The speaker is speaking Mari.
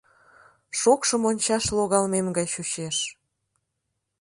— Шокшо мончаш логалмем гай чучеш!